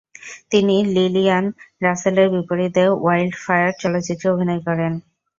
তিনি লিলিয়ান রাসেলের বিপরীতে ওয়াইল্ডফায়ার চলচ্চিত্রে অভিনয় করেন।